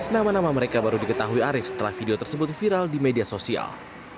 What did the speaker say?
nama nama mereka baru diketahui arief setelah video tersebut viral di media sosial